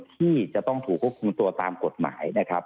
ที่จะต้องถูกควบคุมตัวตามกฎหมายนะครับ